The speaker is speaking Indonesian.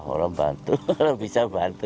orang bantu orang bisa bantu